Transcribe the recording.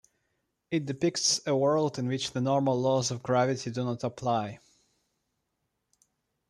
It depicts a world in which the normal laws of gravity do not apply.